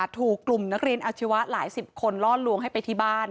ถูกกลุ่มนักเรียนอาชีวะหลายสิบคนล่อลวงให้ไปที่บ้าน